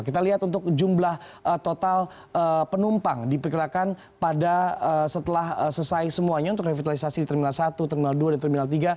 kita lihat untuk jumlah total penumpang diperkirakan pada setelah selesai semuanya untuk revitalisasi di terminal satu terminal dua dan terminal tiga